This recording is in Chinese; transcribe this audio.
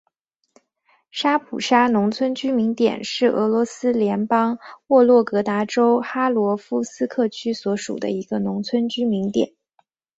沙普沙农村居民点是俄罗斯联邦沃洛格达州哈罗夫斯克区所属的一个农村居民点。